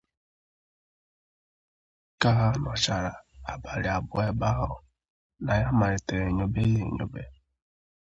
Ka ha nọchara abalị abụọ ebe ahụ na ya malitere nyobe ya enyobe.